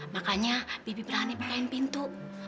makanya bebek berani bukain pintu